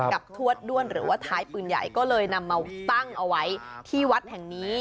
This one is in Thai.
ทวดด้วนหรือว่าท้ายปืนใหญ่ก็เลยนำมาตั้งเอาไว้ที่วัดแห่งนี้